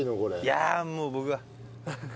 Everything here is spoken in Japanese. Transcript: いやもう僕は。